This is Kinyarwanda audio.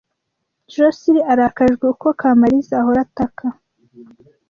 Josehl arakajwe uko Kamariza ahora ataka.